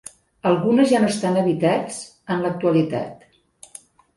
Algunes ja no estan habitats en l'actualitat.